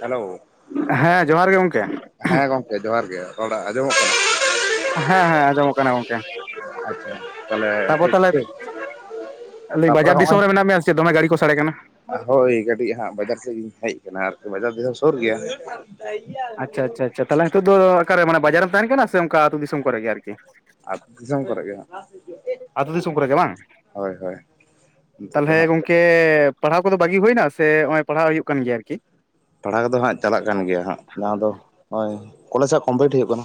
Hello ᱦᱮᱸ ᱡᱚᱦᱟᱨ ᱜᱮ ᱜᱚᱝᱠᱮ ᱦᱮᱸ ᱜᱚᱢᱠᱮ ᱡᱚᱦᱟᱨ ᱜᱮ ᱨᱚᱲ ᱟᱸᱡᱚᱢ ᱚᱜ ᱠᱟᱱᱟ? ᱦᱮᱸ ᱦᱮᱸ ᱟᱸᱡᱚᱢ ᱠᱟᱱᱟ ᱜᱚᱝᱠᱮ ᱟᱪᱪᱷᱟ ᱛᱟᱦᱞᱮ ᱛᱟᱯᱚᱨ ᱴᱷᱤᱠ ᱛᱟᱦᱚᱞᱮ ᱜᱮ ᱵᱟᱡᱟᱨ ᱫᱤᱥᱚᱢ ᱨᱮ ᱢᱮᱱᱟᱜ ᱢᱮᱭᱟ ᱥᱮ ᱪᱮᱫ ᱫᱚᱢᱮ ᱜᱟᱹᱰᱤ ᱠᱚ ᱥᱟᱰᱮ ᱠᱟᱱᱟ? ᱦᱳᱭ ᱠᱟᱹᱴᱤᱡ ᱦᱟᱸᱜ ᱵᱟᱡᱟᱨ ᱥᱮᱫ ᱜᱤᱧ ᱦᱮᱡ ᱟᱠᱟᱱᱟ ᱟᱨᱠᱤ ᱵᱟᱡᱟᱨ ᱛᱮᱫᱚ ᱥᱩᱨ ᱜᱮᱭᱟ ᱟᱪᱪᱷᱟ ᱟᱪᱪᱷᱟ ᱟᱪᱪᱷᱟ ᱛᱟᱦᱮ ᱱᱤᱛᱚᱜ ᱫᱚ ᱚᱠᱟ ᱨᱮ ᱢᱟᱱᱮ ᱵᱟᱡᱟ ᱨᱮᱢ ᱛᱟᱦᱮᱱ ᱠᱟᱱᱟ ᱥᱮ ᱚᱝᱠᱯ. ᱟ ᱟᱹᱛᱩ ᱫᱤᱥᱚᱢ ᱠᱚᱨᱮ ᱜᱮ ᱟᱨᱠᱤ ᱟᱳᱫᱤᱥᱚᱢ ᱠᱚᱨᱮ ᱜᱮ ᱦᱟᱸᱜᱤ ᱦᱮ ᱫ ᱟᱹᱛᱩ ᱫᱤᱥᱚᱢ ᱠᱚᱨᱮ ᱜᱮ ᱵᱟᱝ ᱱᱤᱛᱚᱜ ᱫᱚ ᱛᱟᱦᱚᱞᱮ ᱦᱟᱸᱜ ᱜᱚᱝᱠᱮ ᱯᱟᱲᱦᱟᱣ ᱠᱚᱼᱫᱚ ᱵᱟᱹᱜᱤ ᱦᱩᱭᱱᱟ᱾ ᱥᱮ ᱱᱚᱜᱚᱭ ᱯᱟᱲᱦᱟᱣ ᱦᱩᱭᱩᱜ ᱠᱟᱱ ᱜᱮᱭᱟ? ᱟᱨᱠᱤ ᱯᱟᱲᱦᱟᱣ ᱠᱚᱼᱫᱚ ᱦᱟᱸᱜ ᱪᱟᱞᱟᱜ ᱠᱟᱱ ᱜᱮᱭᱟ᱾ ᱦᱟᱸᱜ ᱡᱟᱦᱟᱸ ᱫᱚ ᱱᱚᱭ ᱠᱚᱞᱮᱡᱽ ᱦᱟᱜ ᱠᱚᱢᱯᱞᱤᱴ ᱦᱩᱭᱩᱜ ᱠᱟᱱᱟ᱾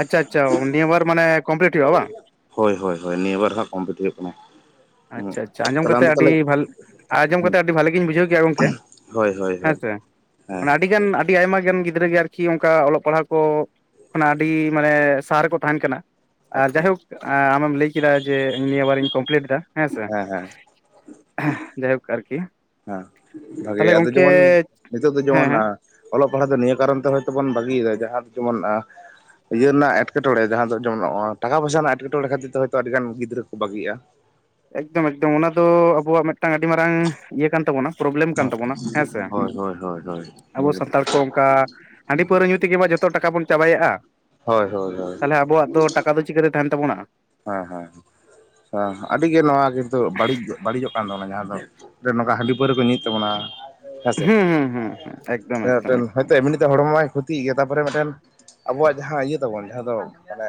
ᱟᱪᱪᱷᱟ, ᱟᱪᱪᱷᱟ ᱱᱤᱭᱟᱹ ᱵᱟᱨ ᱢᱟᱱᱮ ᱠᱚᱢᱯᱞᱤᱴ ᱦᱩᱭᱩᱜᱼᱟ ᱵᱟᱝ᱾ ᱦᱳᱭ, ᱦᱳᱭ, ᱦᱳᱭ ᱱᱤᱭᱟᱹ ᱵᱟᱨ ᱦᱟᱸᱜ᱾ ᱠᱚᱢᱯᱤᱴ ᱦᱩᱭᱩ-ᱜ ᱠᱟᱱᱟ᱾ ᱦᱩᱸ ᱟᱪᱪᱷᱟ, ᱟᱪᱪᱷᱟ ᱟᱸᱡᱚᱢ ᱛᱟᱦᱚᱞᱮ ᱟᱢ ᱠᱟᱛᱮ ᱫᱚ ᱟᱹᱰᱤ ᱛᱟᱦᱚᱞᱮ ᱵᱷᱟᱞ ᱟᱸᱡᱚᱢ ᱠᱟᱛᱮ ᱟᱹᱰᱤ ᱵᱷᱟᱹᱜᱤᱧ ᱵᱩᱡᱷᱽᱟᱹᱣ ᱠᱮᱫᱟ ᱜᱚᱝᱠᱮ᱾ ᱦᱳᱭ ᱦᱳᱭ ᱦᱳᱭ ᱦᱮᱸᱥᱮ ᱦᱮᱸ ᱢᱟᱱᱮ ᱟᱹᱰᱤᱜᱟᱱ ᱟᱹᱰᱤ ᱟᱭᱢᱟ ᱜᱟᱱ ᱜᱤᱫᱽᱨᱟᱹ ᱜᱮ ᱟᱨᱠᱤ ᱚᱱᱠᱟ ᱚᱞᱚᱜ ᱯᱟᱲᱦᱟᱣ ᱠᱚ ᱠᱷᱚᱱᱟᱜ ᱟᱹᱰᱤ ᱢᱟᱱᱮ ᱥᱟᱦᱟ ᱨᱮᱠᱚ ᱛᱟᱦᱮᱱ ᱠᱟᱱᱟ᱾ ᱟᱨ ᱟᱪᱪᱷᱟ ᱡᱟᱭᱦᱳᱠ ᱟᱢᱮᱢ ᱞᱟᱹᱭ ᱠᱮᱫᱟ᱾ ᱡᱮ ᱱᱤᱭᱟᱹ ᱵᱟᱨᱤᱧ ᱠᱚᱢᱯᱞᱤᱴ ᱮᱫᱟ ᱾ ᱦᱮᱸᱥᱮ ᱦᱮᱸ ᱦᱮᱸ ᱡᱟᱭ ᱦᱩᱠ ᱟᱨ ᱠᱤ ᱦᱮᱸ ᱵᱷᱟᱜᱮ ᱟᱫᱚ ᱡᱮᱢᱚᱱ ᱱᱤᱛᱚᱜ ᱫᱚ ᱦᱮᱸ ᱡᱮᱢᱚᱱ ᱦᱮᱸ ᱚᱞᱚᱜ ᱯᱟᱲᱦᱟ-ᱜ ᱫᱚ ᱱᱤᱭᱟᱹ ᱠᱟᱨᱚᱱ ᱛᱮ ᱦᱚᱭᱛᱚ ᱵᱚᱱ ᱵᱟᱹᱜᱤ ᱮᱫᱟ᱾ ᱡᱟᱦᱟᱸ ᱫᱚ ᱡᱮᱢᱚᱱ ᱤᱭᱟᱹ ᱨᱮᱱᱟᱜ ᱮᱸᱴᱠᱮᱴᱚᱬᱮᱸ ᱡᱟᱦᱟᱸ ᱫᱚ ᱡᱮᱢᱚᱱ ᱴᱟᱠᱟ, ᱯᱚᱭᱥ, ᱨᱮᱱᱟᱜ ᱮᱴᱠᱮᱴᱚᱬᱮᱸ ᱠᱷᱟᱛᱤᱨ ᱛᱮ ᱦᱚᱭᱛᱚ ᱟᱹᱰᱤ ᱜᱟᱱ ᱜᱤᱫᱽᱨᱟᱹ ᱠᱚ ᱵᱟᱹᱜᱤᱼᱟ᱾ ᱮᱠᱫᱚᱢ, ᱮᱠᱫᱚᱢ ᱚᱱᱟ ᱫᱚ ᱟᱵᱚᱣᱟ-ᱜ ᱢᱤᱫᱴᱟᱝ, ᱟᱹᱰᱤ ᱢᱟᱨᱟᱝ ᱤᱭᱟᱹ ᱠᱟᱱ ᱛᱟᱵᱚᱱᱟ᱾ ᱯᱨᱚᱵᱽᱞᱮᱢ ᱠᱟᱱ ᱛᱟᱵᱚᱱᱟ᱾ ᱦᱮᱸᱥᱮ ᱦᱳᱭ ᱦᱳᱭ ᱦᱳᱭ ᱦᱳᱭ ᱟᱵᱚ ᱱᱤᱭᱟᱹ ᱥᱟᱱᱛᱟᱲ ᱠᱚ ᱚᱱᱠᱟ ᱦᱟᱺᱰᱤ ᱯᱟᱹᱣᱨᱟᱹ ᱧᱩ ᱛᱤᱜᱤ ᱢᱟ᱾ ᱡᱚᱛᱚ ᱴᱟᱠᱟ ᱵᱚᱱ ᱪᱟᱵᱟᱭᱜᱼᱟ᱾ ᱦᱳᱭ, ᱦᱳᱭ, ᱦᱳᱭ᱾ ᱛᱟᱦᱚᱞᱮ ᱟᱵᱚᱣᱟ-ᱜ ᱫᱚ ᱴᱟᱠᱟ ᱫᱚ ᱪᱤᱠᱟᱛᱮ ᱛᱟᱦᱮᱱ ᱛᱟᱵᱚᱱᱟ᱾ ᱦᱮᱸ, ᱦᱮᱸ, ᱦᱟᱸ ᱟᱹᱰᱤ ᱜᱮ ᱱᱚᱣᱟ ᱠᱤᱱᱛᱩ ᱵᱟᱹᱲᱤᱡ ᱵᱟᱹᱲᱤᱡᱚᱼᱜ ᱠᱟᱱ ᱛᱟᱵᱚᱱᱟ᱾ ᱡᱟᱦᱟᱸ ᱫᱚ ᱱᱚᱝᱠᱟ ᱦᱟᱺᱰᱤ ᱯᱟᱹᱣᱨᱟᱹ ᱠᱚ ᱧᱩᱭᱮᱫ ᱛᱟᱵᱚᱱᱟ ᱦᱮᱸᱥᱮ ᱦᱩᱸ ᱦᱩᱸ ᱦᱩᱸ ᱮᱠᱫᱚᱢ ᱮᱠᱫᱚᱢ ᱦᱳᱭ ᱮᱠᱫᱚᱢ ᱛᱚ ᱮᱢᱱᱤ ᱦᱚᱲᱢᱚᱟᱭ ᱠᱷᱚᱛᱤᱭ ᱜᱮᱭᱟ᱾ ᱛᱟᱯᱚᱨᱮ ᱢᱤᱫᱴᱮᱱ ᱟᱵᱚᱣᱟ-ᱜ ᱡᱟᱦᱟᱸ ᱤᱭᱟᱹ ᱛᱟᱵᱚᱱ ᱡᱟᱦᱟᱸ ᱫᱚ ᱢᱟᱱᱮ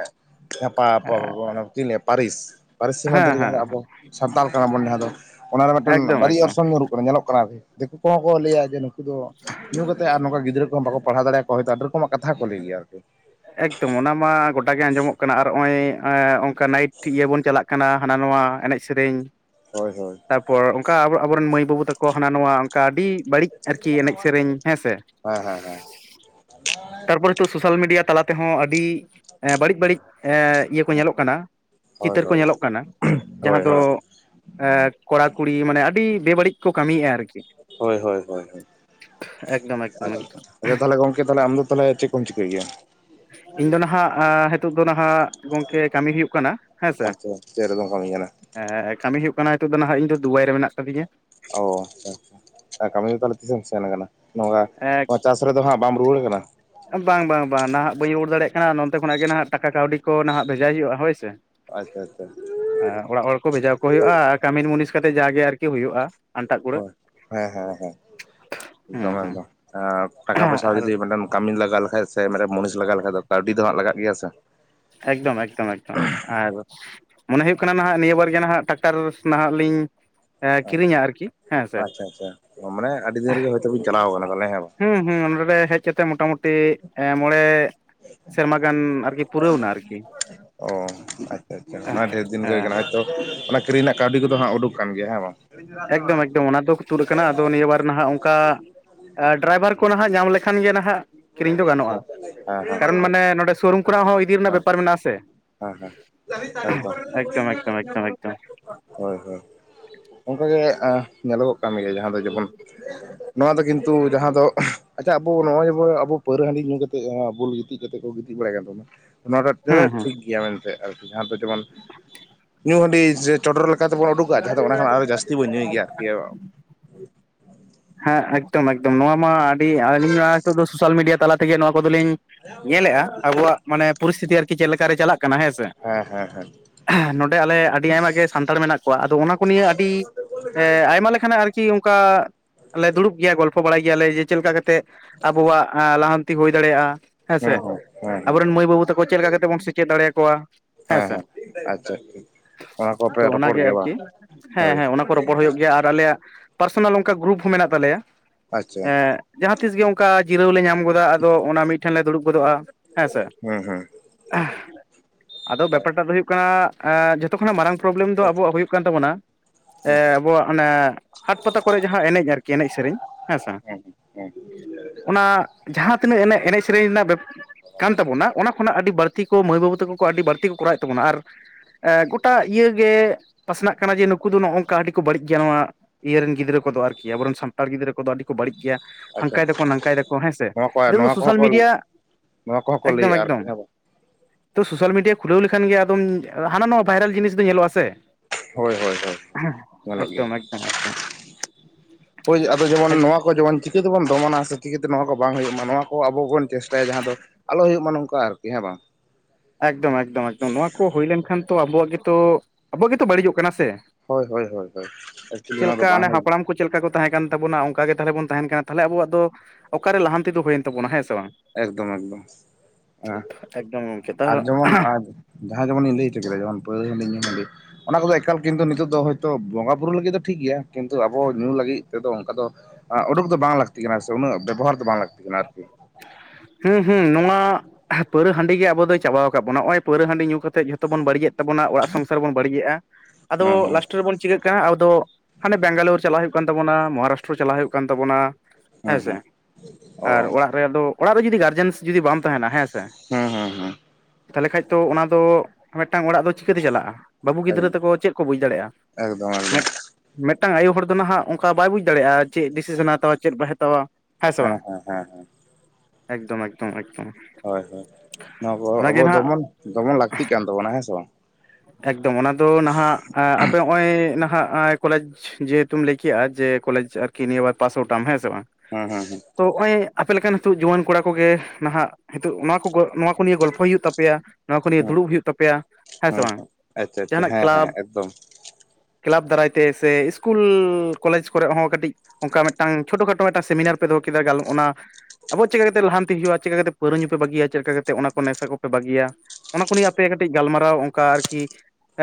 ᱯᱟ ᱯᱟᱯᱟ ᱚᱱᱟ ᱫᱤᱧ ᱞᱟᱹᱭ ᱯᱟᱨᱤᱥ ᱯᱟᱨᱤᱥ ᱢᱟᱫᱷᱮ ᱦᱮᱸ ᱨᱮ ᱦᱮᱸ ᱧᱮᱞ ᱟᱵᱚ᱾ ᱥᱟᱱᱛᱟᱞ ᱠᱟᱱᱟ ᱵᱚᱱ ᱡᱟᱦᱟᱸ ᱫᱚ ᱚᱱᱟᱨᱮ ᱢᱤᱫᱴᱮᱱ ᱮᱠᱫᱚᱢ ᱵᱟᱨᱤᱡ ᱮᱠᱫᱚᱢ ᱚᱨᱲᱥᱚᱝ ᱧᱩᱨᱩᱜ ᱠᱟᱱᱟ᱾ ᱧᱮᱞᱚᱜ ᱠᱟᱱᱟ᱾ ᱠᱟᱨᱟᱣ ᱜᱤ ᱫᱤᱠᱩ ᱠᱚᱦᱚᱸ ᱠᱚ ᱞᱟᱹᱭᱟ ᱡᱮ ᱱᱩᱠᱩ ᱫᱚ᱾ ᱧᱩ ᱠᱟᱛᱮ ᱟᱨ ᱱᱚᱝᱠᱟ ᱜᱤᱫᱽᱨᱟᱹ ᱠᱚᱼᱦᱚᱸ ᱵᱟᱠᱚ ᱯᱟᱲᱦᱟ-ᱣ ᱫᱟᱲᱮᱭᱟᱠᱚᱣᱟ᱾ ᱦᱭᱛᱳ ᱟᱹᱰᱤ ᱨᱚᱠᱚᱢᱟ-ᱜ ᱠᱟᱛᱷᱟ ᱠᱚ ᱞᱟᱹᱭ ᱜᱮᱭᱟ᱾ ᱟᱨᱠᱤ ᱮᱠᱫᱚᱢ ᱚᱱᱟ ᱢᱟ ᱜᱚᱴᱟᱜᱮ ᱟᱸᱡᱚᱢᱚᱜ ᱠᱟᱱᱟ᱾ ᱟᱨ ᱱᱚᱜᱼᱚᱭ ᱚᱱᱠᱟ ᱱᱟᱭᱤᱴ ᱴᱷᱤᱠ ᱵᱚᱱ ᱪᱟᱞᱟᱼᱜ ᱠᱟᱱᱟ᱾ ᱠᱟᱱᱟ, ᱦᱟᱱᱟ, ᱱᱚᱣᱟ, ᱮᱱᱮᱡ, ᱥᱮᱨᱮᱧ᱾ ᱦᱳᱭ, ᱦᱳᱭ ᱛᱟᱯᱚᱨ ᱚᱱᱠᱟ ᱟᱵᱚ ᱟᱵᱚᱨᱮᱱ ᱢᱟᱹᱭ ᱵᱟᱹᱵᱩ ᱛᱟᱠᱚᱸ ᱦᱟᱱᱟ ᱱᱚᱣᱟ ᱚᱱᱠᱟ ᱟᱹᱰᱤ ᱵᱟᱹᱲᱤᱡ ᱟᱨᱠᱤ ᱮᱱᱮᱡ ᱥᱮᱨᱮᱧ ᱦᱮᱸ ᱥᱮ ᱦᱮᱸ ᱦᱮᱸ ᱦᱮᱸ ᱾ᱛᱟᱨᱯᱚᱨᱮ ᱛᱚ ᱥᱳᱥᱟᱞ ᱢᱤᱰᱤᱭᱟ ᱛᱟᱞᱟ ᱛᱮᱦᱚᱸ ᱟᱹᱰᱤ ᱵᱟᱹᱲᱤᱡ, ᱵᱟᱹᱲᱤᱡ ᱦᱮᱸ ᱤᱭᱟᱹ ᱠᱚ ᱧᱮᱞᱚᱜ ᱠᱟᱱᱟ᱾ ᱦᱳᱭ ᱪᱤᱛᱟᱹᱨ ᱠᱚ ᱦᱳᱭ ᱧᱮᱞᱚᱜ ᱠᱟᱱᱟ᱾ ᱦᱳᱭ ᱡᱟᱦᱟᱸ ᱫᱚ ᱦᱳᱭ ᱮ ᱠᱚᱲᱟ, ᱠᱩᱲᱤ ᱢᱟᱱᱮ ᱟᱹᱰᱤ ᱵᱮᱵᱟᱹᱲᱤᱡᱽ ᱠᱚ ᱠᱟᱹᱢᱤᱭᱮ ᱟᱨᱠᱤ ᱦᱳᱭ, ᱦᱳᱭ, ᱦᱳᱭ ᱮᱠᱫᱚᱢ ᱮᱠᱫᱚᱢ ᱮᱠᱫᱚᱢ ᱟᱪᱪᱷᱟ ᱛᱟᱦᱮ ᱜᱚᱝᱠᱮ ᱟᱢ ᱫᱚ ᱛᱟᱦᱚᱞᱮ ᱪᱤᱠᱚᱢ ᱪᱤᱠᱟᱹᱭ ᱜᱮᱭᱟ᱾ ᱤᱧ ᱫᱚ ᱱᱟᱦᱟᱸᱜ, ᱱᱤᱛᱚᱜ ᱫᱚ ᱱᱟᱦᱟᱸᱜ᱾ ᱜᱚᱝᱠᱮ ᱠᱟᱹᱢᱤ ᱦᱩᱭᱩ-ᱜ ᱠᱟᱱᱟ᱾ ᱦᱮᱸ ᱥᱮ ᱥᱮᱨᱚᱠᱚᱢ ᱵᱟᱝ ᱦᱩᱭ ᱠᱟᱱᱟ᱾ ᱦᱮᱸ ᱠᱟᱹᱢᱤ ᱦᱩᱭᱩᱜ ᱠᱟᱱᱟ᱾ ᱱᱤᱛᱳ ᱫᱚ ᱱᱟᱦᱟᱸᱜ ᱤᱧ ᱫᱚ ᱾ᱫᱩᱵᱟᱭ ᱨᱮ ᱢᱮᱱᱟᱜ ᱟᱠᱟᱫᱤᱧᱟᱹ᱾ ᱚᱸ ᱟᱪᱪᱷᱟ, ᱟᱪᱪᱷᱟ ᱠᱟᱹᱢᱤ ᱫᱚ ᱛᱟᱦᱚᱞᱮ ᱛᱤᱥᱮᱢ ᱥᱮᱱ ᱟᱠᱟᱱᱟ᱾ ᱱᱚᱝᱠᱟ ᱪᱟᱥ ᱛᱟᱦᱚᱞᱮ ᱫᱚ ᱦᱟᱸᱜ ᱵᱟᱢ ᱨᱩᱣᱟᱹᱲ ᱠᱟᱱᱟ᱾ ᱵᱟᱝ, ᱵᱟᱝ, ᱵᱟᱝ ᱱᱟᱦᱟᱜ ᱵᱟᱹᱧ ᱨᱩᱣᱟᱹᱲ ᱫᱟᱲᱮᱭᱟᱜ ᱠᱟᱱᱟ ᱾ ᱱᱚᱛᱛᱮ ᱠᱷᱚᱱᱟᱜ ᱜᱮ ᱱᱟᱦᱟᱸᱜ ᱴᱟᱠᱟ, ᱠᱟᱹᱣᱰᱤ, ᱠᱚ ᱱᱟᱦᱟᱜ ᱵᱷᱮᱡᱟᱭ ᱦᱩᱭᱩᱜᱼᱟ ᱾ᱦᱳᱭ ᱥᱮ ᱟᱪᱪᱷᱟ ᱟᱪᱪᱷᱟ ᱚᱲᱟᱜ ᱦᱚᱲ ᱠᱚ ᱵᱷᱮᱡᱟ ᱠᱚ ᱦᱩᱭᱩᱜᱼᱟ᱾ ᱟᱨ ᱠᱟᱹᱢᱤᱱ ᱢᱩᱱᱤᱥ ᱠᱟᱛᱮ ᱡᱟᱜᱮ ᱟᱨᱠᱤ ᱦᱩᱭᱩᱜᱼᱟ᱾ ᱟᱱᱴᱟᱜ ᱠᱩᱲᱟᱹᱜ ᱦᱳᱭ ᱦᱮᱸ, ᱦᱮᱸ, ᱦᱮᱸ ᱮᱠᱫᱚᱢ ᱦᱮᱸ - ᱦᱮᱸ ᱮᱠᱫᱚᱢ ᱮ ᱴᱟᱠᱟ ᱯᱚᱭᱥᱟ ᱟᱨ ᱡᱩᱫᱤ ᱢᱮᱴᱟᱝ ᱠᱟᱹᱢᱤ ᱞᱟᱜᱟᱣ ᱞᱮᱠᱷᱟᱡ ᱥᱮ᱾ ᱢᱚᱱᱤᱥ ᱞᱟᱜᱟᱣ ᱞᱮᱠᱷᱟᱡ ᱫᱚ ᱠᱟᱹᱣᱰᱤ ᱫᱚ ᱦᱟᱸᱜ ᱞᱟᱜᱟ-ᱜ ᱜᱮᱭᱟ ᱥᱮ ᱮᱠᱫᱚᱢ, ᱮᱠᱫᱚᱢ, ᱮᱠᱫᱚᱢ ᱟᱨ ᱢᱚᱱᱮ ᱦᱩᱭᱩᱜ ᱠᱟᱱᱟ ᱱᱟᱦᱟᱸᱜ ᱱᱤᱭᱟᱹ ᱵᱟᱨ ᱜᱮ ᱱᱟᱦᱟᱸᱜ ᱴᱟᱠᱴᱟᱨ ᱱᱟᱦᱟᱸᱜ ᱞᱤᱧ ᱠᱤᱨᱤᱧᱟ ᱟᱨᱠᱤ ᱦᱮᱸ ᱥᱮ ᱛᱚᱵᱮ ᱪᱟᱞᱟᱣ ᱠᱟᱱᱟ ᱦᱮᱹ ᱵᱟᱝ ᱦᱩᱸ ᱦᱩᱸᱰᱮ ᱦᱮᱡ ᱠᱟᱛᱮ ᱢᱚᱴ ᱢᱩᱴᱤᱼᱼ ᱴᱤ ᱢᱚᱬᱮ ᱥᱮᱨᱢᱟ ᱜᱟᱱ ᱟᱨᱠᱤ ᱯᱩᱨᱟᱹᱣᱱᱟ ᱟᱨᱠᱤᱼᱼ ᱚ ᱟᱪᱪᱷᱟ ᱟᱪᱪᱷᱟ ᱦᱮᱸ ᱢᱟ ᱰᱷᱮᱨ ᱫᱤᱱ ᱜᱮ ᱦᱩᱭ ᱠᱟᱱᱟ ᱦᱮᱸ ᱦᱚᱭᱛᱚ ᱚᱱᱟ ᱠᱤᱨᱤᱧ ᱨᱮᱱᱟᱜ ᱠᱟᱹᱣᱰᱤ ᱠᱚᱫᱚ ᱦᱟᱸᱜ ᱩᱰᱩᱠ ᱠᱟᱱ ᱜᱮᱭᱟ ᱦᱮᱸ ᱵᱟᱝᱼᱼ ᱮᱠᱫᱚᱢ ᱮᱠᱫᱚᱢ ᱚᱱᱟ ᱫᱚᱠᱚ ᱛᱩᱫ ᱟᱠᱟᱱᱟ ᱟᱫᱚ ᱱᱤᱭᱟᱹ ᱵᱟᱨ ᱱᱟᱦᱟᱸᱜ ᱚᱱᱠᱟ᱾ ᱰᱨᱟᱭᱵᱷᱟᱨ ᱠᱚ ᱱᱟᱦᱟᱸᱜ ᱧᱟᱢ ᱞᱮᱠᱷᱟᱱ ᱜᱮ ᱱᱟᱦᱟᱸᱜ ᱠᱤᱨᱤᱧ ᱫᱚ ᱜᱟᱱᱚᱜᱼᱟ ᱦᱮᱸ ᱦᱮᱸ ᱠᱟᱨᱚᱱ ᱢᱟᱱᱮ ᱱᱚᱰᱮ ᱥᱨᱩᱢ ᱠᱚᱨᱮᱱᱟᱜ ᱦᱚᱸ ᱤᱫᱤ ᱨᱮᱱᱟᱜ ᱵᱮᱯᱟᱨ ᱢᱮᱱᱟᱜ ᱥᱮᱼᱼ ᱦᱮᱸ ᱦᱮᱸ ᱦᱮᱸ ᱮᱠᱫᱚᱢ ᱮᱠᱫᱚᱢ ᱮᱠᱫᱚᱢ ᱮᱠᱫᱚᱢ ᱮᱠᱫᱚᱢ ᱦᱳᱭ ᱦᱳᱭ ᱚᱱᱠᱟᱜᱮ ᱧᱮᱞᱚᱜᱚᱜ ᱠᱟᱱ ᱜᱮᱭᱟ ᱡᱟᱦᱟᱸ ᱫᱚ ᱡᱮᱢᱚᱱᱼᱼ ᱱᱚᱣᱟ ᱫᱚ ᱠᱤᱱᱛᱩ ᱡᱟᱦᱟᱸ ᱫᱚ ᱟᱪᱪᱷᱟ ᱟᱵᱚ ᱱᱚᱜᱼᱚᱭᱼᱼ ᱟᱵᱚ ᱯᱟᱹᱣᱨᱟᱹ ᱦᱟᱺᱰᱤ ᱧᱩ ᱠᱟᱛᱮᱫ ᱵᱩᱞ ᱜᱤᱛᱤᱡ ᱠᱟᱛᱮᱫ ᱠᱚ ᱜᱤᱛᱤᱡ ᱵᱟᱲᱟᱭ ᱠᱟᱱ ᱛᱟᱵᱚᱱᱟ᱾ ᱱᱚᱣᱟ ᱫᱚ ᱦᱩᱸ ᱛᱤᱱᱟᱹᱜ ᱦᱩᱸ ᱴᱷᱤᱠ ᱜᱮᱭᱟ ᱢᱮᱱᱛᱮᱠᱤ ᱡᱟᱦᱟᱸ ᱫᱚ ᱡᱮᱢᱚᱱ ᱧᱩ ᱦᱟᱺᱰᱤ ᱡᱮ ᱪᱚᱰᱚᱨ ᱞᱮᱠᱟ ᱞᱮᱠᱟᱛᱮᱵᱚᱱ ᱩᱰᱩᱠᱚᱜᱼᱟ ᱡᱟᱦᱟᱸ ᱫᱚ ᱚᱱᱟᱠᱷᱟᱱ ᱦᱮᱸ ᱟᱨᱚ ᱡᱟᱹᱥᱛᱤ ᱵᱚᱱ ᱧᱩᱭ ᱜᱮᱭᱟ ᱟᱨᱠᱤᱼᱼ ᱦᱮᱸ ᱮᱠᱫᱚᱢ ᱮᱠᱫᱚᱢ ᱱᱚᱣᱟ ᱢᱟ ᱟᱹᱰᱤ ᱟᱹᱞᱤᱧ ᱱᱚᱣᱟ ᱱᱤᱛᱚᱜ ᱫᱚ ᱥᱳᱥᱟᱞ ᱢᱤᱰᱤᱭᱟ ᱛᱟᱞᱟ ᱛᱮᱜᱮ ᱱᱚᱣᱟ ᱠᱚᱫᱚᱞᱤᱧᱼᱼ ᱧᱮᱞᱮᱭᱜᱼᱟ ᱟᱵᱚᱣᱟᱜ ᱢᱟᱱᱮ ᱯᱚᱨᱤᱥᱛᱷᱤᱛᱤ ᱟᱨᱠᱤ ᱪᱮᱫ ᱞᱮᱠᱟ ᱨᱮ ᱪᱟᱞᱟᱜ ᱠᱟᱱᱟ ᱦᱮᱸᱥᱮᱼᱼ ᱦᱮᱸ ᱦᱮᱸ ᱱᱚᱰᱮ ᱟᱞᱮ ᱟᱹᱰᱤ ᱟᱭᱢᱟ ᱜᱮ ᱥᱟᱱᱛᱟᱲ ᱢᱮᱱᱟᱜ ᱠᱚᱣᱟ ᱟᱫᱚ ᱚᱱᱟ ᱠᱚ ᱱᱤᱭᱮ ᱟᱹᱰᱤ ᱟᱭᱢᱟ ᱞᱮᱠᱟ ᱢᱟᱱᱮ ᱟᱨᱠᱤ ᱚᱱᱠᱟ᱾ ᱟᱞ ᱞᱮ ᱫᱩᱲᱩᱵ ᱜᱮᱭᱟ ᱜᱚᱞᱯᱷᱚ ᱵᱟᱲᱟᱭ ᱜᱮᱭᱟᱞᱮ ᱡᱮ ᱪᱮᱫ ᱞᱮᱠᱟ ᱠᱟ ᱠᱟᱛᱮᱮᱫ ᱟᱵᱚᱣᱟᱜ ᱞᱟᱦᱟᱱᱛᱤ ᱦᱩᱭ ᱫᱟᱲᱮᱭᱟᱜᱼᱟ᱾ ᱦᱮᱸ ᱥᱮᱮ ᱟᱵᱚᱨᱮᱱ ᱢᱟᱹᱭ ᱵᱟᱹᱵᱩ ᱛᱟᱠᱚ ᱪᱮᱫ ᱞᱮᱠᱟ ᱠᱟᱛᱮᱜ ᱵᱚᱱ ᱥᱮᱪᱮᱫ ᱫᱟᱲᱮ ᱟᱠᱠᱚᱣᱟ ᱦᱮᱸ ᱥᱮᱼᱼ ᱟᱪᱪᱷᱟ ᱟᱪᱪᱷᱟ, ᱚᱱᱟ ᱠᱚᱯᱮ ᱛᱚ ᱨᱚᱯᱚᱲ ᱚᱱᱟᱜᱮ ᱜᱮᱭᱟ ᱵᱟᱝ ᱟᱨᱠᱤ ᱦᱮᱸ ᱦᱳᱭ ᱦᱮᱸ ᱚᱱᱟ ᱠᱚ ᱨᱚᱯᱚᱲ ᱦᱩᱭᱩᱜ ᱜᱮᱭᱟ ᱟᱨ ᱟᱞᱮᱭᱟᱜᱼᱼ ᱯᱟᱨᱥᱚᱱᱟᱞ ᱚᱱᱠᱟ ᱜᱨᱩᱯ ᱦᱚᱸ ᱢᱮᱱᱟᱜ ᱛᱟᱞᱮᱭᱟ ᱟᱪᱪᱷᱟ ᱦᱮᱸ ᱡᱟᱦᱟᱸ ᱛᱤᱥ ᱜᱮ ᱚᱱᱠᱟ ᱡᱤᱨᱟᱹᱣ ᱞᱮ ᱧᱟᱢ ᱜᱚᱫᱟ ᱟᱫᱚ ᱚᱱᱟ ᱢᱤᱫ ᱴᱷᱮᱱ ᱞᱮ ᱫᱩᱲᱩᱵ ᱜᱚᱫᱚᱜᱼᱟ ᱦᱮᱸᱥᱮ ᱦᱩᱸ ᱦᱩᱸ ᱟᱫᱚ ᱵᱮᱯᱟᱨ ᱴᱟᱜ ᱫᱚ ᱦᱩᱭᱩᱜ ᱠᱟᱱᱟ ᱮᱸ ᱡᱷᱚᱛᱚ ᱠᱷᱚᱱᱟᱜ ᱢᱟᱨᱟᱝ ᱯᱨᱚᱵᱞᱮᱢ ᱫᱚ ᱟᱵᱚᱣᱟᱜ ᱦᱩᱭᱩᱜ ᱠᱟᱱ ᱛᱟᱵᱚᱱᱟ ᱦᱩᱸ ᱟᱵᱚᱣᱟᱜ ᱚᱱᱟ ᱦᱟᱴ ᱯᱟᱛᱟ ᱠᱚᱨᱮ ᱡᱟᱦᱟᱸ ᱮᱱᱮᱡ ᱟᱨᱠᱤᱼᱼ ᱦᱮᱸ ᱦᱮᱸ ᱦᱮᱸ [inaudible] ᱡᱟᱦᱟᱸ ᱛᱤᱱᱟᱹᱜ ᱮᱱ ᱮᱱᱮᱡ ᱥᱮᱨᱮᱧ ᱨᱮᱱᱟᱜ ᱠᱟᱱ ᱛᱟᱵᱚᱱᱟ ᱚᱱᱟ ᱠᱷᱚᱱᱟᱜ ᱟᱹᱰᱤ ᱵᱟᱹᱲᱛᱤ ᱠᱚ ᱢᱟᱹᱭ ᱵᱟᱹᱵᱩ ᱛᱟᱠᱚ ᱠᱚ ᱟᱹᱰᱤ ᱵᱟᱹᱲᱛᱤ ᱠᱚ ᱠᱚᱨᱟᱣᱮᱫ ᱛᱟᱵᱚᱱᱟ ᱟᱨᱼᱼ ᱜᱚᱴᱟ ᱤᱭᱮ ᱜᱮ ᱯᱟᱥᱱᱟᱜ ᱠᱟᱱᱟ ᱡᱮ ᱱᱩᱠᱩ ᱫᱚ ᱱᱚᱝᱠᱟ ᱠᱚ ᱵᱟᱹᱲᱤᱡ ᱜᱮᱭᱟ ᱱᱚᱣᱟ᱾ ᱤᱭ ᱨᱮᱱ ᱜᱤᱫᱽᱨᱟᱹ ᱠᱚᱫᱚ ᱟᱨᱠᱤ ᱟᱵᱚᱨᱮᱱ ᱥᱟᱱᱛᱟᱲ ᱜᱤᱫᱽᱨᱟᱹ ᱠᱚ ᱟᱹᱰᱤ ᱠᱚ ᱵᱟᱹᱲᱤᱡ ᱜᱮᱭᱟ᱾ ᱟᱪᱪᱷᱟ ᱦᱟᱱᱠᱟᱭ ᱫᱟᱠᱚ ᱱᱟᱝᱠᱟᱭ ᱫᱟᱠᱚ ᱦᱮᱸ ᱥᱮ ᱱᱚᱣᱟ ᱠᱚ ᱤᱱᱟ ᱫᱚ ᱱᱚᱣᱟ ᱠᱚᱦᱚᱸ ᱥᱳᱥᱟᱞ ᱠᱚ ᱢᱤᱰᱤᱭᱟᱼᱼ ᱱᱚᱣᱟ ᱠᱚᱦᱚᱸ ᱠᱚ ᱞᱟᱹᱭᱮᱫᱼᱟ ᱟᱨᱠᱤ ᱦᱮᱸ ᱵᱟᱝ ᱛᱚ ᱥᱳᱥᱟᱞ ᱢᱤᱰᱤᱭᱟ ᱠᱷᱩᱞᱟᱹᱣ ᱞᱮᱠᱷᱟᱱ ᱜᱮ ᱟᱫᱚᱢ ᱦᱟᱱᱟ ᱱᱟᱳᱭᱟ ᱵᱷᱟᱭᱨᱟᱞ ᱡᱤᱱᱤᱥ ᱫᱚ ᱧᱮᱞᱚᱜᱼᱟ ᱥᱮ ᱦᱳᱭ ᱦᱳᱭ ᱦᱳᱭ ᱦᱮᱸ ᱧᱮᱞᱚᱜ ᱜᱮᱭᱟ ᱮᱠᱫᱚᱢ ᱮᱠᱫᱚᱢ ᱮᱠᱫᱚᱢ ᱦᱳᱭ ᱟᱫᱚ ᱡᱮᱢᱚᱱ ᱱᱚᱣᱟ ᱠᱚ ᱡᱮᱢᱚᱱ ᱪᱤᱠᱟᱹᱛᱮᱵᱚᱱ ᱫᱚᱢᱚᱱᱟ ᱥᱮᱼᱼ ᱪᱤᱠᱟᱹᱛᱮ ᱱᱚᱣᱟ ᱠᱚ ᱵᱚᱝ ᱦᱩᱭᱩᱜ ᱢᱟ ᱱᱚᱳᱭᱟ ᱠᱚ ᱟᱵᱳ ᱵᱚᱱ ᱪᱮᱥᱴᱟᱭᱟ ᱡᱟᱦᱟᱸ ᱫᱚ ᱟᱞᱚ ᱦᱩᱭᱩᱜ ᱢᱟ ᱱᱚᱝᱠᱟ ᱟᱨᱠᱤ ᱦᱮᱸᱵᱟᱝ ᱵᱟᱝ ᱮᱠᱫᱚᱢ ᱮᱠᱫᱚᱢ ᱮᱠᱫᱚᱢ ᱱᱚᱣᱟ ᱠᱚ ᱦᱩᱭ ᱞᱮᱱᱠᱷᱟᱱ ᱛᱚ ᱟᱵᱚᱣᱟᱜ ᱜᱮᱛᱚ ᱟᱵᱚ ᱜᱮᱛᱚ ᱵᱟᱹᱲᱤᱡᱚᱜ ᱠᱟᱱᱟ ᱥᱮᱼᱼ ᱦᱳᱭ ᱦᱳᱭᱭ ᱮᱠᱪᱚᱞᱤ ᱚᱱᱟ ᱫᱚ ᱞᱮᱠᱟ ᱵᱟᱝ ᱚᱱᱮ ᱦᱩᱭᱩᱜ-ᱟ᱾ ᱦᱟᱯᱲᱟᱢ ᱠᱚ ᱪᱮᱫ ᱞᱮᱠᱟ ᱠᱚ ᱛᱟᱦᱮᱸ ᱠᱟᱱ ᱛᱟᱵᱚᱱᱟ ᱚᱱᱠᱟ ᱜᱮ ᱛᱟᱦᱞᱮ ᱵᱚᱱ ᱛᱟᱦᱮᱱ ᱠᱟᱱᱟ ᱛᱟᱦᱞᱮ ᱟᱵᱣᱟᱫᱚ ᱚᱠᱟᱨᱮ ᱞᱟᱦᱟᱱᱛᱤ ᱫᱚ ᱦᱩᱭᱮᱱ ᱛᱟᱵᱚᱱᱟ ᱦᱮ ᱥᱮ ᱵᱟᱝ ᱮᱠᱫᱚᱢ ᱮᱠᱫᱚᱢ ᱟ ᱮᱠᱫᱚᱢ ᱜᱚᱢᱠᱮ ᱟᱨ ᱛᱟ ᱡᱮᱢᱚᱱ ᱡᱟᱦᱟᱸᱭ ᱡᱮᱢᱚᱱᱤᱧ ᱞᱟᱹᱭ ᱦᱚᱪ ᱠᱮᱫᱟ ᱡᱮᱢᱚᱱ ᱯᱟᱹᱳᱨᱟ ᱦᱟᱱᱰᱤ ᱧᱩ ᱨᱮᱱᱟ ᱵᱮ ᱚᱱᱟ ᱠᱚᱫᱚ ᱮᱠᱟᱞ ᱠᱤᱱᱛᱩ ᱱᱤᱛᱚᱜ ᱫᱚ ᱦᱚᱭᱛᱳ ᱵᱚᱸᱜᱟᱼᱵᱩᱨᱩ ᱞᱟᱹᱜᱤᱫ ᱫᱚ ᱴᱷᱤᱠ ᱜᱮᱭᱟ ᱠᱤᱱᱛᱩ ᱟᱵᱚ ᱧᱩ ᱞᱟᱹᱜᱤᱫ ᱛᱮᱫᱚ ᱚᱝᱠᱟ ᱫᱚᱼᱼ ᱟ ᱳᱱᱰᱳᱠ ᱫᱚ ᱵᱟᱝ ᱞᱟᱹᱠᱛᱤ ᱠᱟᱱᱟ ᱥᱮ ᱩᱱᱟᱹᱜ ᱵᱮᱵᱚᱦᱟᱨ ᱫᱚ ᱵᱟᱝ ᱞᱟᱹᱠᱛᱤ ᱠᱟᱱᱟ ᱟᱨᱠᱤ ᱦᱩᱸ ᱦᱩᱸᱱᱚᱣᱟ᱾ ᱯᱟᱹᱨᱣᱟᱹ ᱦᱟᱺᱰᱤ ᱜᱮ ᱟᱵᱚ ᱫᱚᱭ ᱪᱟᱵᱟᱣ ᱟᱠᱟᱫ ᱵᱚᱱᱟ, ᱱᱚᱜ-ᱚᱭ ᱯᱟᱹᱣᱨᱟᱹ ᱦᱟᱺᱰᱤ ᱧᱩ ᱠᱟᱛᱮᱜ ᱡᱷᱚᱛᱚ ᱵᱚᱱ ᱵᱟᱹᱲᱤᱡᱮᱫ ᱛᱟᱵᱚᱱᱟ ᱚᱲᱟᱜ ᱥᱚᱝᱥᱟᱨ ᱵᱚᱱ ᱵᱟᱹᱲᱤᱡᱮᱜᱼᱟ ᱾ ᱦᱩᱸ ᱟᱫᱚ ᱦᱩᱸ ᱞᱟᱥᱴ ᱨᱮᱵᱚᱱ ᱪᱤᱠᱟᱹᱜ ᱠᱟᱱᱟ ᱟᱵᱚ ᱫᱚ ᱦᱟᱱᱮ ᱵᱮᱝᱜᱞᱩᱨ ᱪᱟᱞᱟᱣ ᱦᱩᱭᱩᱜ ᱠᱟᱱ ᱛᱟᱵᱚᱱᱟ ᱢᱚᱦᱟᱨᱟᱥᱴᱨᱚ ᱪᱟᱞᱟᱜ ᱦᱩᱭᱩᱜ ᱠᱟᱱ ᱛᱟᱵᱚᱱᱟ᱾ ᱦᱩᱸ ᱦᱮᱸᱥᱮ ᱦᱩᱸ ᱚ ᱟᱨ ᱚᱲᱟᱜ ᱨᱮᱭᱟᱜ ᱫᱚ, ᱚᱲᱟᱜ ᱨᱮ ᱡᱩᱫᱤ ᱜᱟᱨᱡᱮᱱᱥ ᱡᱩᱫᱤ ᱵᱟᱢ ᱛᱟᱦᱮᱸᱱᱟ ᱦᱮᱸ ᱥᱮ ᱦᱩᱸ ᱦᱩᱸ ᱦᱩᱸ ᱾ ᱛᱟᱦᱞᱮ ᱠᱷᱟᱡ ᱛᱚ ᱚᱱᱟ ᱫᱚ ᱢᱤᱫᱴᱟᱝ ᱚᱲᱟᱜ ᱫᱚ ᱪᱤᱠᱟᱹᱛᱮ ᱪᱟᱞᱟᱜᱼᱟ, ᱵᱟᱹᱵᱩ ᱜᱤᱫᱽᱨᱟᱹ ᱮᱠᱫᱚᱢ ᱛᱮᱠᱚ ᱪᱮᱫ ᱠᱚ ᱵᱩᱡᱽ ᱫᱟᱲᱮᱭᱟᱜᱼᱟ ᱮᱠᱫᱚᱢ ᱮᱠᱫᱚᱢ ᱢᱮᱛ ᱢᱤᱫᱴᱟᱝ ᱟᱭᱳ ᱦᱚᱲ ᱫᱚ ᱦᱟᱜ ᱚᱱᱠᱟ ᱵᱟᱭ ᱵᱩᱡᱽ ᱫᱟᱲᱮᱭᱟᱜᱼᱟ ᱪᱮᱫ ᱰᱤᱥᱤᱥᱮᱱᱮ ᱦᱟᱛᱟᱣᱟ ᱪᱮᱫ ᱵᱟᱭ ᱦᱟᱛᱟᱣᱟ ᱾ ᱦᱮᱸ ᱦᱮᱸ ᱦᱮᱸ ᱦᱮᱸ ᱾ ᱮᱠᱫᱚᱢ ᱮᱠᱫᱚᱢ ᱮᱠᱫᱚᱢ ᱾ ᱦᱚᱭ ᱦᱚᱭ, ᱱᱚᱣᱟ ᱠᱚ ᱟᱵᱚ ᱫᱚᱢᱚᱱ ᱫᱚᱢᱚᱱ ᱞᱟᱹᱠᱛᱤᱜ ᱠᱟᱱ ᱛᱟᱵᱚᱱᱟ ᱦᱮᱸ ᱥᱮ ᱵᱟᱝ ᱾ ᱮᱠᱫᱚᱢ ᱚᱱᱟ ᱫᱚ ᱱᱟᱦᱟᱜ ᱟᱯᱮ ᱱᱚᱜᱼᱚᱭ ᱱᱟᱦᱟᱜ ᱠᱳᱞᱮᱡᱽ ᱡᱮ ᱦᱮᱛᱩᱢ ᱞᱟᱹᱭ ᱠᱮᱜᱼᱟ, ᱡᱮ ᱠᱳᱞᱮᱡᱽ ᱟᱨᱠᱤ ᱱᱤᱭᱟᱹ ᱵᱟᱨ ᱯᱟᱥ ᱟᱣᱩᱴᱟᱢ ᱦᱮᱸ ᱥᱮ ᱵᱟᱝ ᱾ ᱦᱩᱸ ᱦᱩᱸ ᱦᱩᱸ ᱾ ᱛᱚ ᱚᱭ ᱟᱯᱮ ᱞᱮᱠᱟᱱ ᱱᱤᱛᱚᱜ ᱡᱩᱣᱟᱹᱱ ᱠᱚᱲᱟ ᱠᱚᱜᱮ ᱱᱟᱦᱟᱜ ᱱᱤᱛᱚᱜ ᱱᱚᱣᱟ ᱠᱚ ᱱᱚᱣᱟ ᱠᱚ ᱠᱚ ᱱᱤᱭᱟᱹ ᱜᱚᱞᱯᱚ ᱦᱩᱭᱩᱜ ᱛᱟᱯᱮᱭᱟ, ᱱᱚᱭᱟ ᱠᱷᱚᱱ ᱜᱮ ᱦᱩᱸ ᱫᱩᱲᱩᱵ ᱦᱩᱭᱩᱜ ᱛᱟᱯᱮᱭᱟ ᱾ ᱦᱩᱸ ᱦᱩᱸ ᱟᱪᱪᱷᱟ ᱟᱪᱪᱷᱟ ᱦᱮᱸ ᱦᱮᱸ ᱮᱠᱫᱚᱢ ᱾ ᱠᱮᱞᱟᱵᱽ ᱫᱟᱨᱟᱭ ᱛᱮ ᱥᱮ ᱤᱥᱠᱩᱞ ᱠᱳᱞᱮᱡᱽ ᱠᱚᱨᱮ ᱦᱚᱸ ᱠᱟᱹᱴᱤᱡ ᱚᱝᱠᱟ ᱢᱤᱫᱴᱟᱝ ᱪᱷᱚᱴᱚ ᱠᱷᱟᱴᱚ ᱢᱤᱫᱴᱟᱝ ᱥᱮᱢᱤᱱᱟᱨ ᱯᱮ ᱫᱚᱦᱚ ᱠᱮᱫᱟ ᱜᱟᱞᱚ ᱚᱱᱟ ᱟᱵᱚ ᱪᱤᱠᱟ ᱠᱟᱛᱮ ᱞᱟᱦᱟᱱᱛᱤ ᱦᱩᱭᱩᱜᱼᱟ, ᱪᱮᱠᱟ ᱠᱟᱛᱮ ᱯᱟᱹᱣᱨᱟᱹ ᱧᱩ ᱯᱮ ᱵᱟᱹᱜᱤᱭᱟ ᱪᱮᱠᱟ ᱞᱮᱠᱟ ᱠᱟᱛᱮ ᱚᱱᱟ ᱠᱚ ᱱᱮᱥᱟ ᱠᱚᱯᱮ ᱵᱟᱜᱤᱭᱟ ᱚᱱᱟ ᱠᱚ ᱱᱤᱭ ᱟᱯᱮᱭ ᱠᱟᱹᱴᱤᱡ ᱜᱟᱞᱢᱟᱨᱟᱣ ᱠᱟ ᱟᱨᱠᱤ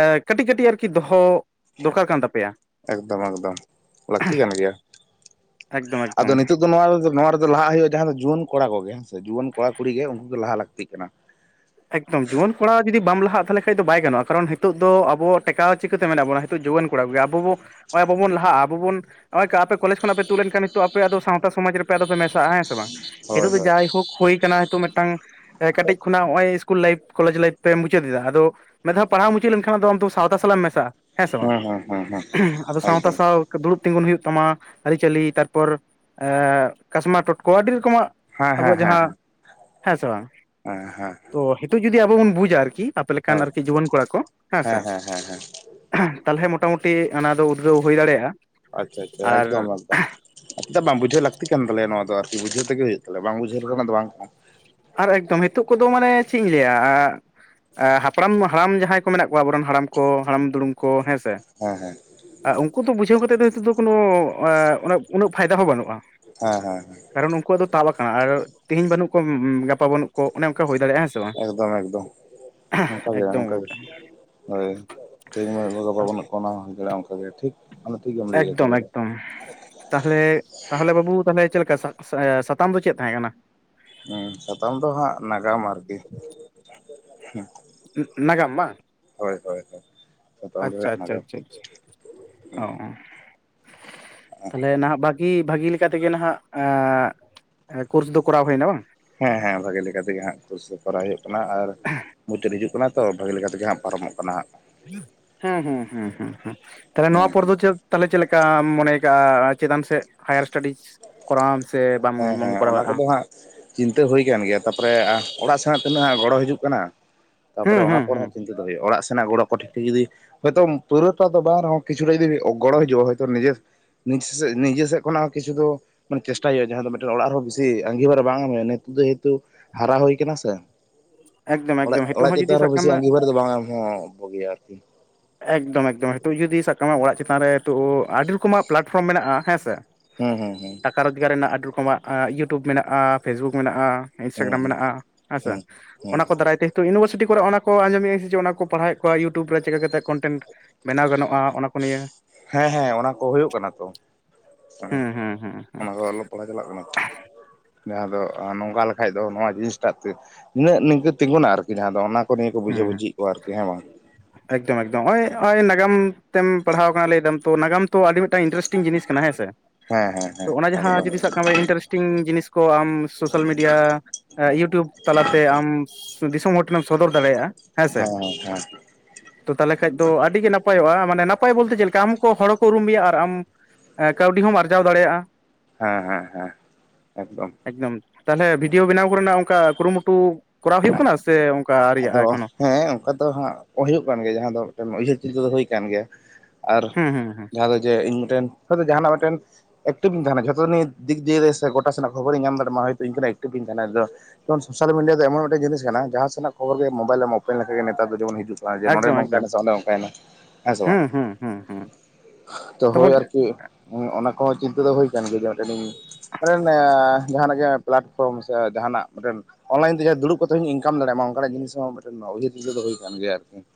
ᱟᱸ ᱠᱟᱹᱴᱤᱡ ᱠᱟᱹᱴᱤᱡ ᱟᱨᱠᱤ ᱫᱚᱦᱚ ᱫᱚᱨᱠᱟᱨ ᱠᱟᱱ ᱛᱟᱯᱮᱭᱟ᱾ ᱮᱠᱫᱚᱢ ᱮᱠᱫᱚᱢ ᱞᱟᱹᱠᱛᱤ ᱠᱟᱱ ᱜᱮᱭᱟ ᱾ ᱮᱠᱫᱚᱢ ᱟᱫᱚ ᱮᱠᱫᱚᱢ ᱱᱤᱛᱚᱜ ᱫᱚ ᱱᱚᱣᱟ ᱨᱮᱫᱚ, ᱱᱚᱣᱟ ᱨᱮᱫᱚ ᱞᱟᱦᱟᱜ ᱦᱩᱭᱩᱜ ᱡᱟᱦᱟᱸ ᱫᱚ ᱡᱩᱣᱟᱹᱱ ᱠᱚᱲᱟ ᱠᱚᱜᱮ ᱦᱮᱸ ᱥᱮ ᱡᱩᱣᱟᱹᱱ ᱠᱚᱲᱟ ᱠᱩᱲᱤ ᱜᱮ ᱩᱱᱠᱩ ᱫᱚ ᱞᱟᱦᱟ ᱞᱟᱹᱠᱛᱤᱜ ᱠᱟᱱᱟ ᱾ ᱮᱠᱫᱚᱢ ᱡᱩᱣᱟᱹᱱ ᱠᱚᱲᱟ ᱡᱩᱫᱤ ᱵᱟᱢ ᱞᱟᱦᱟᱜ ᱛᱟᱦᱞᱮ ᱠᱷᱟᱡ ᱫᱚ ᱵᱟᱭ ᱜᱟᱱᱚᱜᱼᱟ, ᱠᱟᱨᱚᱱ ᱦᱤᱛᱩᱜ ᱫᱚ ᱟᱵᱚ ᱴᱮᱠᱟᱣ ᱪᱤᱠᱟᱹᱛᱮ ᱢᱮᱱᱟᱜ ᱵᱚᱱᱟ ᱡᱩᱣᱟᱹᱱ ᱠᱚᱲᱟ ᱠᱚ ᱜᱮ ᱟᱵᱚ ᱵᱚ ᱞᱟᱦᱟᱜ-ᱟ ᱟᱵᱚ ᱵᱚᱱ ᱱᱚᱜ-ᱚᱭ ᱠᱟ ᱟᱯᱮ ᱠᱚᱞᱮᱡᱽ ᱠᱷᱚᱱᱟᱜ ᱯᱮ ᱛᱩᱜ ᱞᱮᱱᱠᱷᱟᱱ ᱱᱤᱛᱚᱜ ᱟᱯᱮᱭᱟᱜ ᱫᱚ ᱥᱟᱶᱛᱟ ᱥᱚᱢᱟᱡ ᱨᱮᱯᱮ ᱟᱫᱚ ᱯᱮ ᱢᱮᱥᱟᱜ-ᱟ ᱦᱮᱸ ᱥᱮ ᱵᱟᱝ᱾ ᱦᱳᱭ ᱱᱤᱛᱩᱜ ᱫᱚ ᱦᱳᱭ ᱡᱟᱭᱦᱩᱠ ᱦᱩᱭ ᱟᱠᱟᱱᱟ ᱱᱤᱛᱩ ᱢᱤᱫᱴᱟᱝ ᱠᱟᱹᱴᱤᱡ ᱠᱷᱚᱱᱟᱜ ᱚᱜᱼᱚᱭ ᱤᱥᱠᱩᱞ ᱞᱟᱭᱤᱯ ᱠᱚᱮᱡᱽ ᱞᱟᱭᱤᱯ ᱯᱮ ᱢᱩᱪᱟᱹᱫ ᱮᱫᱟ, ᱟᱫᱚ ᱢᱤᱫᱷᱟᱣ ᱯᱟᱲᱦᱟᱢ ᱢᱩᱪᱟᱹᱫ ᱞᱮᱱᱠᱷᱟᱱ ᱟᱫᱚ ᱟᱢᱫᱚ ᱥᱟᱶᱛᱟ ᱥᱟᱞᱟᱜ ᱮᱢ ᱢᱮᱥᱟᱜ-ᱟ ᱾ ᱦᱮᱸ ᱥᱮ ᱵᱟᱝ, ᱦᱮᱸ ᱦᱮᱸ ᱦᱮᱸ ᱟᱫᱚ ᱥᱟᱶᱛᱟ ᱮᱠᱫᱚᱢ ᱥᱟᱶ ᱫᱩᱲᱩᱵ ᱛᱤᱸᱜᱩᱱ ᱦᱩᱭᱩᱜ ᱛᱟᱢᱟ ᱟᱹᱨᱤᱪᱟᱹᱞᱤ ᱛᱟᱨ ᱯᱚᱨ ᱠᱟᱥᱢᱟ ᱴᱚᱴᱠᱚ ᱟᱹᱰᱤ ᱨᱚᱠᱚᱢᱟᱜ ᱦᱮᱸ ᱦᱮᱸ ᱟᱵᱚᱣᱟᱜ ᱡᱟᱦᱟᱸ, ᱦᱮᱸ ᱦᱮᱸ ᱥᱮ ᱵᱟᱝ ᱾ ᱦᱮᱸ ᱦᱮᱸ ᱾ ᱛᱚ ᱦᱤᱛᱩᱜ ᱡᱩᱫᱤ ᱟᱵᱚ ᱵᱚᱱ ᱵᱩᱡᱟ ᱟᱨᱠᱤ ᱟᱯᱮ ᱞᱮᱠᱟᱱ ᱦᱳᱭ ᱟᱨᱠᱤ ᱡᱩᱣᱟᱹᱱ ᱠᱚᱲᱟ ᱠᱚ ᱦᱮᱸᱥᱮ ᱦᱮᱸ ᱦᱮᱸ ᱦᱮᱸ ᱦᱮᱸ ᱛᱟᱦᱞᱮ ᱢᱚᱴᱟ ᱢᱩᱴᱤ ᱚᱱᱟ ᱫᱚ ᱩᱫᱽᱜᱟᱹᱣ ᱦᱩᱭ ᱫᱟᱲᱮᱭᱟᱜᱼᱟ ᱾ ᱟᱪᱪᱷᱟ ᱟᱪᱷᱟ ᱮᱠᱫᱚᱢ ᱮᱠ ᱪᱮᱫᱟᱜ ᱵᱟᱢ ᱵᱩᱡᱷᱟᱹᱣ ᱞᱟᱹᱠᱛᱤ ᱠᱟᱱ ᱛᱟᱞᱮᱭᱟ ᱱᱚᱣᱟ ᱫᱚ ᱟᱨᱠᱤ ᱵᱩᱡᱷᱟᱹᱣ ᱛᱮᱜᱮ ᱦᱩᱭᱩᱜ ᱛᱟᱞᱮᱭᱟ ᱵᱟᱝ ᱵᱩᱡᱷᱟᱹᱣ ᱠᱷᱟᱱ ᱫᱚ ᱵᱟᱝ ᱠᱟᱱᱟ ᱾ ᱟᱨ ᱮᱠᱫᱚᱢ ᱱᱤᱛᱚᱜ ᱠᱚᱫᱚ ᱢᱟᱱᱮ ᱪᱮᱫ ᱤᱧ ᱞᱟᱹᱭᱟ ᱟ, ᱦᱟᱯᱲᱟᱢ ᱦᱟᱲᱟᱢ ᱡᱟᱦᱟᱸᱭ ᱠᱚ ᱢᱮᱱᱟᱜ ᱠᱚᱣᱟ ᱟᱵᱚᱨᱮᱱ ᱦᱟᱲᱟᱢ ᱠᱚ, ᱦᱟᱲᱟᱢ ᱫᱩᱲᱩᱢ ᱠᱚ ᱦᱮᱸ ᱦᱮᱸ ᱦᱮᱸ ᱾ ᱟ ᱩᱱᱠᱩ ᱫᱚ ᱵᱩᱡᱷᱟᱹᱣ ᱠᱟᱛᱮᱫ ᱫᱚ ᱱᱤᱛᱚᱜ ᱫᱚ ᱠᱚᱱᱚ ᱟᱹ ᱩᱱᱟᱹᱜ ᱯᱷᱟᱭᱫᱟ ᱦᱚᱸ ᱵᱟᱹᱱᱩᱜᱼᱟ᱾ ᱦᱮᱸ ᱦᱮᱸ ᱦᱮᱸ ᱾ ᱠᱟᱨᱚᱱ ᱩᱱᱠᱩᱣᱟᱜ ᱫᱚ ᱛᱟᱵ ᱟᱠᱟᱱᱟ ᱟᱨ ᱛᱮᱦᱤᱸᱧ ᱵᱟᱹᱱᱩᱜ ᱠᱚ ᱜᱟᱯᱟ ᱵᱟᱹᱱᱩᱜ ᱠᱚ ᱚᱱᱮ ᱚᱱᱠᱟ ᱦᱩᱭ ᱫᱟᱲᱮᱭᱟᱜᱼᱟ ᱦᱮᱸ ᱥᱮ ᱵᱟᱝ ᱮᱠᱫᱚᱢ ᱮᱠᱫᱚᱢ ᱚᱱᱠᱟ ᱜᱮ ᱮᱠᱫᱚᱢ ᱚᱱᱠᱟ ᱜᱮ ᱜᱚᱝᱠᱮ ᱦᱚᱭ ᱾ ᱛᱮᱦᱮᱧ [unintelligible] ᱵᱟᱱᱩᱜ ᱠᱚ ᱜᱟᱵᱟ [unintelligible] ᱦᱚᱭᱫᱟᱲᱮᱭᱟᱜᱼᱟ ᱴᱷᱤᱠ ᱟᱢ ᱴᱷᱤᱠ ᱜᱮᱢ ᱞᱟᱹᱭ ᱡᱚᱛᱚ ᱠᱟᱫᱟ ᱮᱠᱫᱚᱢ ᱵᱚᱞᱮ᱾ ᱮᱠᱫᱚᱢ ᱛᱟᱦᱚᱞᱮ ᱛᱟᱦᱚᱞᱮ ᱵᱟᱹᱵᱩ ᱛᱟᱦᱚᱞᱮ ᱪᱮᱫ ᱞᱮᱠᱟ ᱥᱟ ᱥᱟᱛᱟᱢ ᱫᱚ ᱪᱮᱫ ᱛᱟᱦᱮᱸ ᱠᱟᱱᱟ? ᱦᱮᱸ ᱥᱟᱛᱟᱢ ᱫᱚ ᱦᱟᱸᱜ ᱱᱟᱜᱟᱢ ᱟᱨᱠᱤ ᱾ ᱱᱟ--ᱱᱟᱜᱟᱢ ᱵᱟᱝ ᱾ ᱦᱚᱭ ᱦᱚᱭ ᱦᱚᱭ ᱟᱪᱪᱷᱟ ᱟᱪᱪᱷᱟ ᱚᱸᱻ ᱛᱟᱦᱞᱮ ᱱᱷᱟᱜ ᱵᱟ ᱠᱤ ᱵᱷᱟᱹᱜᱤ ᱞᱮᱠᱟ ᱛᱮᱜᱮ ᱱᱷᱟᱜ ᱮᱸᱻ ᱠᱳᱨᱥ ᱫᱚ ᱠᱚᱨᱟᱣ ᱦᱩᱭ ᱮᱱᱟ ᱵᱟᱝ ᱾ ᱦᱮᱸ ᱦᱮᱸ ᱵᱷᱟᱹᱜᱤ ᱞᱮᱠᱟ ᱛᱮᱜᱮ ᱦᱟᱸᱜ ᱠᱳᱨᱥ ᱫᱚ ᱠᱚᱨᱟᱣ ᱦᱩᱭᱩᱜ ᱠᱟᱱᱟ ᱟᱨ ᱢᱩᱪᱟᱹᱫ ᱦᱤᱡᱩᱜ ᱠᱟᱱᱟ ᱛᱚ ᱵᱷᱟᱹᱜᱤ ᱞᱮᱠᱟ ᱛᱮᱜᱮ ᱦᱟᱸᱜ ᱯᱟᱨᱚᱢᱚᱜ ᱠᱟᱱᱟ ᱦᱟᱸᱜ ᱦᱩᱸ ᱦᱩᱸ ᱦᱩᱸ ᱦᱩᱸ ᱦᱩᱸᱸ ᱛᱟᱦᱞᱮ ᱱᱚᱣᱟ ᱦᱮᱸ ᱯᱚᱨᱫᱚ ᱪᱮᱫ ᱛᱟᱦᱚᱞᱮ ᱪᱮᱫ ᱞᱮᱠᱟᱢ ᱢᱚᱱᱮᱭ ᱠᱟᱜᱼᱟ ᱪᱮᱛᱟᱱ ᱥᱮᱫ ᱦᱟᱭᱟᱨ ᱥᱴᱟᱰᱤᱡᱽ ᱾ ᱠᱚᱨᱟᱣᱟᱢ ᱥᱮ ᱵᱟᱢ ᱦᱮᱸ ᱦᱮᱸ ᱵᱟᱢ ᱦᱮᱸ ᱠᱚᱨᱟᱣᱟ ᱚᱱᱟ ᱟᱨᱦᱚᱸ᱾ ᱠᱚᱫᱚ ᱦᱟᱸᱜ ᱪᱤᱱᱛᱟᱹ ᱦᱩᱭ ᱟᱠᱟᱱ ᱜᱮᱭᱟ ᱛᱟᱯᱚᱨᱮ ᱟᱨ ᱚᱲᱟᱜ ᱥᱮᱱᱟᱜ ᱛᱤᱱᱟᱹᱜ ᱦᱟᱸᱜ ᱜᱚᱲᱚ ᱦᱤᱡᱩᱜ ᱠᱟᱱᱟ ᱾ ᱛᱟᱯᱚᱨᱮ ᱦᱩᱸ ᱚᱱᱟ ᱦᱩᱸ ᱯᱚᱨ ᱦᱩᱸ ᱦᱚᱸ ᱪᱤᱱᱛᱟᱹ ᱫᱚ ᱦᱩᱭᱩᱜᱼᱟ ᱚᱲᱟᱜ ᱥᱮᱱᱟᱜ ᱜᱚᱲᱚ ᱠᱚ ᱴᱷᱤᱠ ᱴᱷᱟᱠ ᱡᱩᱫᱤ ᱦᱚᱭᱛᱚ ᱯᱩᱨᱟᱹ ᱴᱟᱜ ᱵᱟᱝ ᱨᱮ ᱦᱚᱸ ᱠᱤᱪᱷᱩ ᱞᱟᱹᱜᱤᱫ ᱡᱩᱫᱤ ᱜᱚᱲᱚ ᱦᱤᱡᱩᱜᱼᱟ ᱦᱚᱭᱛᱚ ᱱᱤᱡᱮ ᱱᱤᱡᱮ ᱥᱮ ᱱᱤᱡᱮ ᱥᱮᱫ ᱠᱷᱚᱱᱟᱜ ᱦᱚᱸ ᱠᱤᱪᱷᱩ ᱫᱚ ᱢᱟᱱᱮ ᱪᱮᱥᱴᱟᱭ ᱦᱩᱭᱩᱜᱼᱟ ᱾ ᱡᱟᱦᱟᱸ ᱫᱚ ᱢᱤᱫᱴᱮᱱ ᱚᱲᱟᱜ ᱨᱮᱦᱚᱸ ᱵᱤᱥᱤ ᱟᱸᱜᱤᱵᱷᱟᱨᱟ ᱵᱟᱝ ᱮᱢ ᱱᱤᱛᱚᱜ ᱫᱚ ᱡᱮᱦᱮᱛᱩ ᱦᱟᱨᱟ ᱦᱩᱭ ᱟᱠᱟᱱᱟ ᱥᱮ ᱾ ᱮᱠᱫᱚᱢ ᱚᱲᱟᱜ ᱮᱠᱫᱚᱢ ᱱᱤᱛᱚᱜ ᱚᱲᱟᱜ ᱦᱚᱸ ᱪᱮᱛᱟᱱ ᱡᱩᱫᱤ ᱥᱟᱵ ᱨᱮᱦᱚᱸ ᱠᱟᱜ ᱵᱮᱥᱤ ᱢᱮ ᱟᱺᱜᱤᱵᱷᱟᱨ ᱫᱚ ᱵᱟᱝ ᱮᱢ ᱦᱚᱸ ᱠᱚᱜᱮᱭᱟ ᱟᱨᱠᱤ ᱾ ᱮᱠᱫᱚᱢ ᱮᱠᱫᱚᱢ ᱱᱤᱛᱚᱜ ᱡᱩᱫᱤ ᱥᱟᱵ ᱠᱟᱜ ᱢᱮ ᱚᱲᱟᱜ ᱪᱮᱛᱟᱱ ᱨᱮ ᱱᱤᱛᱚᱜ ᱟᱹᱰᱤ ᱨᱚᱠᱚᱢᱟᱜ ᱯᱞᱟᱴᱯᱷᱨᱚᱢ ᱢᱮᱱᱟᱜᱼᱟ ᱦᱮᱸ ᱥᱮ ᱾ ᱦᱩᱸ ᱦᱩᱸ ᱦᱩᱸ ᱾ ᱴᱟᱠᱟ ᱨᱚᱡᱽᱜᱟᱨ ᱨᱮᱱᱟᱜ ᱟᱹᱰᱤ ᱨᱚᱠᱚᱢᱟᱜ ᱤᱭᱩᱴᱩᱵᱽ ᱢᱮᱱᱟᱜᱼᱟ ᱯᱷᱮᱥᱵᱩᱠ ᱢᱮᱱᱟᱜᱼᱟ ᱾ ᱤᱱᱥᱴᱟᱜᱨᱟᱢ ᱦᱩᱸ ᱦᱩᱸ ᱢᱮᱱᱟᱜᱼᱟ ᱦᱮᱸᱥᱮ ᱦᱩᱸ ᱦᱩᱸ ᱚᱱᱟ ᱠᱚ ᱫᱟᱨᱟᱭ ᱛᱮ ᱛᱚ ᱤᱭᱩᱱᱤᱵᱷᱟᱨᱥᱤᱴᱤ ᱠᱚᱨᱮ ᱚᱱᱟ ᱠᱚ ᱟᱸᱡᱚᱢᱮᱫ ᱤᱧ ᱡᱮ ᱚᱱᱟ ᱯᱟᱲᱦᱟᱣᱮᱫ ᱠᱚᱣᱟ ᱤᱭᱩᱴᱩᱵᱽ ᱨᱮ ᱪᱤᱠᱟᱹ ᱠᱟᱛᱮ ᱠᱚᱱᱴᱮᱱᱴ ᱵᱮᱱᱟᱣ ᱜᱟᱱᱚᱜᱼᱟ ᱚᱱᱟᱠᱚ ᱱᱤᱭᱟᱹ ᱾ ᱦᱮᱸ ᱦᱮᱸ ᱚᱱᱟ ᱠᱚ ᱦᱩᱭᱩᱜ ᱠᱟᱱᱟ ᱛᱚ ᱦᱩᱸ ᱦᱩᱸ ᱦᱩᱸ [unintelligible] ᱚᱱᱟ ᱠᱚ ᱟᱞᱚ [unintelligible] ᱪᱟᱞᱟᱜ ᱠᱟᱱᱟ ᱛᱚ ᱡᱟᱦᱟᱸ ᱫᱚ ᱱᱚᱝᱠᱟ ᱞᱮᱠᱷᱟᱡ ᱫᱚ ᱱᱚᱣᱟ ᱡᱤᱱᱤᱥᱴᱟᱜ ᱛᱮ ᱤᱱᱟᱹᱜ ᱱᱤᱠᱟᱹ ᱛᱤᱸᱜᱩᱱᱟ ᱟᱨᱠᱤ ᱡᱟᱦᱟᱸ ᱫᱚ ᱚᱱᱟ ᱠᱚ ᱱᱤᱭᱟᱹ ᱦᱩᱸ ᱵᱩᱡᱷᱟᱹᱣ ᱦᱩᱸ ᱵᱩᱡᱷᱤ ᱭᱮᱫ ᱠᱚᱶᱟ ᱟᱨᱠᱤ ᱦᱮᱸ ᱵᱟᱝ ᱾ ᱮᱠᱫᱚᱢ ᱮᱠᱫᱚᱢ ᱱᱚᱜᱼᱚᱭ ᱱᱚᱜᱼᱚᱭ ᱱᱟᱜᱟᱢ ᱛᱮᱢ ᱯᱟᱲᱦᱟᱣ ᱟᱠᱟᱱᱟ ᱞᱟᱹᱭ ᱮᱫᱟᱢ ᱛᱚ ᱱᱟᱜᱟᱢ ᱛᱚ ᱟᱹᱰᱤ ᱢᱤᱫᱴᱟᱹᱝ ᱤᱱᱴᱟᱨᱮᱥᱴᱤᱝ ᱡᱤᱱᱤᱥ ᱠᱟᱱᱟ ᱦᱮᱸᱥᱮ ᱦᱮᱸ ᱦᱮᱸ ᱦᱮᱸ ᱛᱚ ᱚᱱᱟ ᱡᱟᱦᱟᱸ ᱮᱠᱫᱚᱢ ᱡᱩᱫᱤ ᱥᱟᱵ ᱠᱟᱜ ᱢᱮ ᱤᱱᱴᱟᱨᱮᱥᱴ ᱴᱤᱝ ᱡᱤᱱᱤᱥ ᱠᱚ ᱟᱢ ᱥᱳᱥᱟᱞ ᱢᱤᱰᱤᱭᱟ, ᱤᱭᱩᱴᱩᱵᱽ ᱛᱟᱞᱟᱛᱮ ᱟᱢ ᱫᱤᱥᱚᱢ ᱦᱚᱲ ᱴᱷᱮᱱᱮᱢ ᱥᱚᱫᱚᱨ ᱫᱟᱲᱮᱭᱟᱜᱼᱟ ᱾ ᱦᱮᱸ ᱦᱮᱸ ᱦᱮᱸ ᱾ ᱛᱚ ᱛᱟᱦᱚᱞᱮ ᱠᱷᱟᱡ ᱫᱚ ᱟᱹᱰᱤᱜᱮ ᱱᱟᱯᱟᱭᱚᱜᱼᱟ ᱢᱟᱱᱮ ᱱᱟᱯᱟᱭ ᱵᱚᱞᱛᱮ ᱪᱮᱫ ᱞᱮᱠᱟ ᱟᱢ ᱠᱚ ᱦᱚᱲ ᱠᱚ ᱩᱨᱩᱢᱮᱭᱟ ᱟᱨ ᱟᱢ ᱠᱟᱹᱣᱰᱤ ᱦᱚᱢ ᱟᱨᱡᱟᱣ ᱫᱟᱲᱮᱭᱟᱜᱼᱟ ᱾ ᱦᱮᱸ ᱦᱮᱸ ᱦᱮᱸ ᱮᱠᱫᱚᱢ ᱾ ᱮᱠᱫᱚᱢ ᱛᱟᱦᱚᱞᱮ ᱵᱷᱤᱰᱭᱳ ᱵᱮᱱᱟᱣ ᱠᱚᱨᱮᱱᱟᱜ ᱚᱱᱠᱟ ᱠᱩᱨᱩᱢᱩᱴᱩ ᱠᱚᱨᱟᱣ ᱦᱩᱭᱩᱜ ᱠᱟᱱᱟ, ᱥᱮ ᱚᱱ ᱟᱫᱚ ᱦᱮᱸ ᱚᱱᱠᱟ ᱫᱚ ᱦᱟᱸᱜ ᱦᱩᱭᱩᱜ ᱠᱟᱱ ᱜᱮᱭᱟ ᱡᱟᱦᱟᱸ ᱫᱚ ᱢᱤᱫᱴᱮᱱ ᱩᱭᱦᱟᱹᱨ ᱪᱤᱡᱽ ᱫᱚ ᱦᱩᱭ ᱟᱠᱟᱱ ᱜᱮᱭᱟ ᱾ ᱟᱨ ᱦᱩᱸ ᱦᱩᱸ ᱦᱩᱸ ᱡᱟᱦᱟᱸ ᱫᱚ ᱡᱮ ᱤᱧ ᱢᱤᱫᱴᱮᱱ ᱦᱚᱭ ᱛᱚ ᱡᱟᱦᱟᱸᱱᱟᱜ ᱢᱤᱫᱴᱮᱱ‌ ᱮᱠᱴᱤᱵ ᱤᱧ ᱛᱟᱦᱮᱸᱱᱟ ᱡᱷᱚᱛᱚ ᱱᱤ ᱫᱤᱠ ᱫᱤᱭᱮ ᱥᱮ ᱜᱚᱴᱟ ᱥᱮᱱᱟᱜ ᱠᱷᱚᱵᱚᱨᱤᱧ ᱧᱟᱢ ᱫᱟᱲᱮᱭᱟᱜ ᱢᱟ ᱦᱚᱭᱛᱳ ᱤᱧ ᱠᱷᱚᱱᱟᱜ ᱮᱠᱴᱤᱵᱷ ᱜᱤᱧ ᱛᱟᱦᱮᱱᱟ ᱟᱫᱚ ᱡᱮᱢᱚᱱ ᱥᱳᱥᱟᱞ ᱢᱤᱰᱤᱭᱟ ᱫᱚ ᱮᱢᱚᱱ ᱢᱤᱫᱴᱮᱱ ᱡᱤᱱᱤᱥ ᱠᱟᱱᱟ ᱡᱟᱦᱟᱸ ᱥᱮᱱᱟᱜ ᱠᱷᱚᱵᱚᱨ ᱜᱮ ᱢᱳᱵᱟᱭᱤᱞ ᱮᱢ ᱚᱯᱮᱱ ᱞᱮᱠᱷᱟᱱ ᱜᱮ ᱱᱮᱛᱟᱨ ᱫᱚ ᱡᱮᱢᱚᱱ ᱦᱤᱡᱩᱜ ᱟ ᱡᱮ ᱱᱚᱰᱮ ᱮᱠᱫᱚᱢ ᱮᱠᱫᱚᱢ ᱱᱚᱝᱠᱟᱭᱮᱱᱟ ᱚᱱᱮ ᱚᱱᱠᱟᱭᱮᱱᱟ ᱦᱮᱸ ᱥᱮ ᱵᱟᱝ ᱦᱩᱸ ᱾ ᱦᱩᱸ ᱦᱩᱸ ᱦᱩᱸ ᱛᱚ ᱦᱚᱭ ᱛᱟᱯᱚᱨ ᱟᱨᱠᱤ ᱚᱱᱟ ᱠᱚᱦᱚᱸ ᱪᱤᱱᱛᱟᱹ ᱫᱚ ᱦᱩᱭ ᱟᱠᱟᱱ ᱜᱮᱭᱟ ᱡᱮ [unintelligible] [unintelligible] ᱡᱟᱦᱟᱸᱱᱟᱜ ᱜᱮ ᱯᱞᱟᱴᱯᱷᱨᱚᱢ ᱥᱮ ᱡᱟᱦᱟᱸᱱᱟᱜ ᱢᱤᱫᱴᱮᱱ ᱚᱱᱞᱟᱭᱤᱱ ᱛᱮ ᱡᱟᱦᱟᱸ ᱫᱩᱲᱩᱵ ᱫᱩᱲᱩᱵ ᱠᱟᱛᱮ ᱦᱚᱸᱧ ᱤᱱᱠᱟᱢ ᱫᱟᱲᱮᱭᱟᱜᱼᱟ ᱢᱟ ᱚᱱᱠᱟ ᱡᱤᱱᱤᱥ ᱦᱚᱸ ᱢᱤᱫᱴᱮᱱ ᱩᱭᱦᱟᱹᱨ ᱫᱤᱥᱟᱹ ᱫᱚ ᱦᱩᱭ ᱟᱠᱟᱱ ᱜᱮᱭᱟ ᱟᱨᱠᱤ ᱾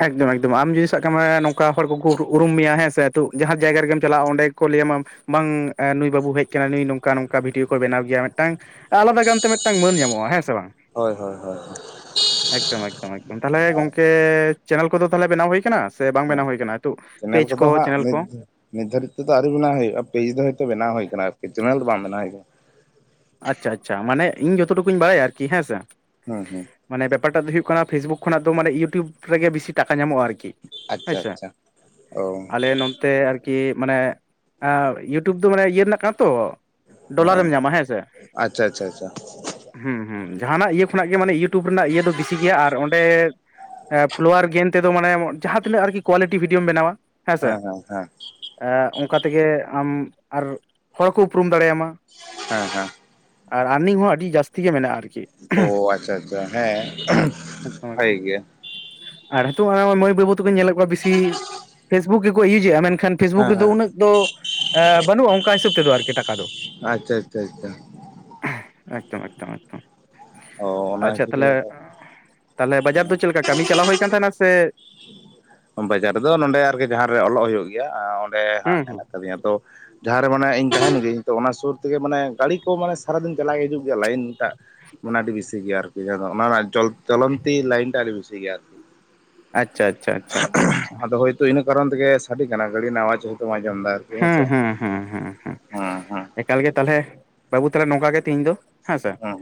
ᱮᱠᱫᱚᱢ ᱮᱠᱫᱚᱢ, ᱟᱢ ᱡᱩᱫᱤ, ᱥᱟᱵ ᱠᱟᱜ ᱢᱟᱭ, ᱱᱚᱝᱠᱟ ᱦᱚᱲ ᱠᱚᱠᱚ, ᱩᱨᱩᱢ ᱢᱮᱭᱟ, ᱦᱮᱸᱥᱮ, ᱡᱟᱦᱟᱸ ᱡᱟᱭᱜᱟ ᱨᱮᱜᱮᱢ ᱪᱟᱞᱟᱜᱼᱟ, ᱚᱸᱰᱮ ᱜᱮᱠᱚ, ᱞᱟᱹᱭ ᱟᱢᱟ ᱾ ᱵᱟᱝ, ᱮᱸ ᱱᱩᱭ ᱵᱟᱹᱵᱩ ᱦᱮᱡ ᱟᱠᱟᱱᱟ, ᱱᱩᱭ ᱱᱚᱝᱠᱟ ᱱᱚᱝᱠᱟ, ᱵᱷᱤᱰᱭᱳ ᱠᱚ, ᱵᱮᱱᱟᱣ ᱜᱮᱭᱟ, ᱢᱤᱫᱴᱟᱝ, ᱟᱞᱟᱫᱟ ᱜᱟᱱ ᱛᱮ, ᱢᱤᱫᱴᱟᱝ ᱢᱟᱹᱱ ᱧᱟᱢᱚᱜᱼᱟ, ᱦᱮᱸ ᱥᱮ ᱵᱟᱝ? ᱦᱳᱭ ᱦᱳᱭ ᱦᱳᱭ ᱦᱳᱭ᱾ ᱮᱠᱫᱚᱢ ᱮᱠᱫᱚᱢ ᱮᱠᱫᱚᱢ, ᱛᱟᱦᱚᱞᱮ, ᱜᱚᱝᱠᱮ, ᱪᱮᱱᱮᱞ ᱠᱚᱫᱚ, ᱛᱟᱦᱚᱞᱮ ᱵᱮᱱᱟᱣ ᱦᱩᱭ ᱟᱠᱟᱱᱟ, ᱥᱮ ᱵᱟᱝ ᱦᱮᱸ ᱵᱮᱱᱟᱣ ᱦᱩᱭ ᱟᱠᱟᱱᱟ ᱾ ᱱᱤᱛᱚᱜ ᱯᱮᱡᱽ ᱠᱚ, ᱪᱮᱱᱮᱞ ᱠᱚ? ᱱᱤᱛᱫᱷᱟᱨᱤᱡ ᱛᱮ ᱫᱚ, ᱟᱨᱤ ᱵᱮᱱᱟᱣ ᱦᱩᱭᱩᱜᱼᱟ, ᱯᱮᱡᱽ ᱫᱚ ᱾ ᱦᱚᱭ ᱛᱳ, ᱵᱮᱱᱟᱣ ᱦᱩᱭ ᱟᱠᱟᱱᱟ, ᱟᱨᱠᱤ ᱪᱮᱱᱮᱞ ᱫᱚ, ᱵᱟᱝ ᱵᱮᱱᱟᱣ ᱦᱩᱭ ᱟᱠᱟᱱᱟ ᱾ ᱟᱪᱪᱷᱟ ᱟᱪᱪᱷᱟ, ᱢᱟᱱᱮ, ᱤᱧ ᱡᱚᱛᱚ ᱴᱩᱠᱩᱧ ᱵᱟᱲᱟᱭᱟ, ᱟᱨᱠᱤ ᱦᱮᱸ ᱥᱮ ᱾ ᱦᱳᱸ ᱦᱳᱸ ᱾ ᱢᱟᱱᱮ, ᱵᱮᱯᱟᱨᱴᱟᱜ ᱫᱚ, ᱦᱩᱭᱩᱜ ᱠᱟᱱᱟ, ᱯᱷᱮᱥᱵᱩᱠ ᱠᱷᱱᱟᱜ ᱫᱚ, ᱢᱟᱱᱮ, ᱩᱴᱩᱵᱽ ᱨᱮᱜᱮ, ᱵᱮᱥᱤ ᱴᱟᱠᱟ ᱧᱟᱢᱚᱜᱼᱟ, ᱟᱨᱠᱤ ᱾ ᱦᱮᱸ ᱟᱪᱪᱷᱟ ᱥᱮ, ᱟᱪᱪᱷᱟ ᱚ ᱟᱞᱮ ᱚᱱᱛᱮ ᱟᱨᱠ, ᱠᱤ ᱢᱟᱱᱮ, ᱤᱭᱩᱴᱩᱵᱽ ᱫᱚ, ᱢᱟᱱᱮ ᱤᱭᱟᱹ ᱨᱮᱱᱟᱜ ᱠᱟᱱᱟ ᱛᱚ, ᱰᱚᱞᱟᱨᱮᱢ ᱧᱟᱢᱟ, ᱦᱮᱸ ᱥᱮ‌ ᱾ ᱟᱪᱪᱷᱟ, ᱪᱪᱷᱟ ᱟᱪᱪᱷᱟ ᱾ ᱦᱮᱸᱻ ᱦᱩᱸ, ᱡᱟᱦᱟᱸᱱᱟᱜ, ᱤᱭᱟᱹ ᱠᱷᱚᱱᱟᱜ ᱜᱮ, ᱢᱟᱱᱮ ᱤᱭᱩᱴᱩᱵᱽ ᱨᱮᱱᱟᱜ, ᱤᱭᱟᱹ ᱫᱚ, ᱵᱮᱥᱤ ᱜᱮᱭᱟ, ᱟᱨ ᱚᱸᱰᱮ‌, ᱮ ᱯᱷᱞᱳᱣᱟᱨ ᱜᱮᱱ ᱛᱮᱫᱚ, ᱢᱟᱱᱮ ᱡᱟᱦᱟᱸ ᱛᱤᱱᱟᱹᱜ, ᱟᱨᱠᱤ ᱠᱳᱣᱟᱞᱤᱴᱤ, ᱵᱷᱤᱰᱭᱳᱢ ᱵᱮᱱᱟᱣᱟ, ᱦᱮᱸᱥᱮ ᱦᱮᱸᱻ ᱦᱮᱸᱻ ᱦᱮᱸ ᱾ ᱚᱱᱠᱟ ᱛᱮᱜᱮ, ᱟᱢ ᱟᱨ ᱦᱚᱲ ᱠᱚ, ᱩᱯᱨᱩᱢ ᱫᱟᱲᱮ ᱭᱟᱢᱟ ᱾ [unintelligible] ᱦᱮᱸᱻ ᱦᱮᱸ ᱾ ᱟᱨᱱᱤᱝ ᱦᱚᱸ ᱟᱹᱰᱤ ᱡᱟᱹᱥᱛᱤ ᱜᱮ, ᱢᱮᱱᱟᱜᱼᱟ ᱟᱨᱠᱤ ᱾ ᱚ ᱟᱪᱪᱷᱟ, ᱟᱪᱪᱷᱟ, ᱾ ᱦᱮᱸ, ᱵᱷᱟᱜᱮ ᱜᱮᱭᱟ ᱾ ᱟᱨ ᱱᱤᱛᱚᱜ, ᱢᱟᱹᱭ ᱵᱟᱹᱵᱩ, ᱛᱟᱠᱚᱧ ᱧᱮᱞᱮᱫ ᱠᱚᱣᱟ ᱾ ᱵᱮᱥᱤ ᱯᱷᱮᱥᱵᱩᱠ ᱜᱮᱠᱚ, ᱤᱭᱩᱡ ᱮᱫᱼᱟ, ᱢᱮᱱᱠᱷᱟᱱ, ᱦᱮᱸ ᱯᱷᱮᱥᱵᱩᱠ ᱨᱮᱫᱚ, ᱦᱮᱸ ᱩᱱᱟᱹᱜ ᱫᱚ, ᱵᱟᱹᱱᱩᱜᱼᱟ ᱾ ᱚᱱᱠᱟ ᱦᱤᱥᱟᱹᱵ ᱛᱮᱫᱚ, ᱟᱨᱠᱤ ᱴᱟᱠᱟ ᱫᱚ ᱾ ᱟᱼᱪᱪᱷᱟ, ᱪᱪᱷᱟ ᱟᱪᱪᱷᱟ ᱾ ᱮᱠᱫᱚᱢ ᱮᱠᱫᱚᱢ ᱮᱠᱫᱚᱢ, ᱚ ᱚᱱᱟ ᱟᱪᱪᱷᱟ ᱛᱟᱦᱞᱮ, ᱠᱷᱟᱹᱛᱤᱨ ᱛᱟᱦᱞᱮ, ᱵᱟᱡᱟᱨ ᱫᱚ ᱪᱮᱫᱞᱮᱠᱟ? ᱠᱟᱹᱢᱤ ᱪᱟᱞᱟᱣ ᱦᱩᱭ ᱟᱠᱟᱱ, ᱛᱟᱦᱮᱱᱟ ᱥᱮ? ᱵᱟᱡᱟᱨ ᱨᱮᱫᱚ, ᱱᱚᱸᱰᱮ ᱟᱨᱠᱤ ᱡᱟᱦᱟᱸᱨᱮ, ᱚᱞᱚᱜ ᱦᱩᱭᱩᱜ ᱜᱮᱭᱟ ᱾ ᱚᱸᱰᱮ ᱦᱟᱸᱜ, ᱦᱩᱸ ᱦᱩᱸ ᱦᱮᱱᱟᱜ ᱟᱠᱟᱫᱤᱧᱟ ᱛᱚ ᱾ ᱡᱟᱦᱟᱸᱨᱮ ᱢᱟᱱᱮ ᱤᱧ ᱛᱟᱦᱮᱱ ᱜᱤᱭᱟᱧ ᱛᱚ, ᱚᱱᱟ ᱥᱩᱨ ᱛᱮᱜᱮ, ᱢᱟᱱᱮ ᱜᱟᱹᱲᱤ ᱠᱚ, ᱢᱟᱱᱮ ᱥᱟᱨᱟ ᱫᱤᱱ ᱪᱟᱞᱟᱜ ᱦᱤᱡᱩᱜ ᱜᱮᱭᱟ, ᱞᱟᱭᱤᱱ ᱴᱟᱜ ᱾ ᱢᱟᱱᱮ, ᱟᱹᱰᱤ ᱵᱮᱥᱤ ᱜᱮᱭᱟ, ᱟᱨᱠᱤ ᱚᱱᱟ ᱨᱮᱱᱟᱜ, ᱪᱚᱞᱚᱱᱛᱤ ᱞᱟᱭᱤᱱ ᱴᱟ, ᱟᱹᱰᱤ ᱵᱮᱥᱤ ᱜᱮᱭᱟ, ᱟᱨᱠᱤ ᱾ ᱟᱻᱪᱷᱟ, ᱟᱪᱷᱟ ᱟᱪᱷᱟ ᱟᱪᱪᱷᱟ ᱾ ᱛᱚ, ᱤᱱᱟᱹ ᱠᱟᱨᱚᱱ ᱛᱮᱜᱮ, ᱥᱟᱰᱮ ᱠᱟᱱᱟ ᱜᱟᱹᱰᱤ, ᱱᱟᱣᱟ ᱡᱷᱚᱜ ᱛᱚᱢ ᱟᱸᱡᱚᱢ ᱮᱫᱟ, ᱟᱨᱠᱤ ᱦᱩᱸ ᱦᱮᱸᱥᱮ ᱦᱩᱸ ᱦᱩᱸ ᱦᱩᱸ ᱦᱩᱸ ᱾ ᱦᱮᱸᱻᱦᱮᱸ ᱾ ᱮᱠᱟᱞ ᱜᱮ, ᱛᱟᱦᱚᱞᱮ, ᱵᱟᱹᱵᱩ ᱛᱟᱦᱚᱞᱮ, ᱱᱚᱝᱠᱟ ᱜᱮ, ᱛᱤᱦᱤᱧ ᱫᱚ, ᱦᱮᱸᱥᱮ ᱾ ᱦᱩᱸ